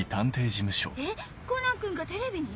えっコナンくんがテレビに？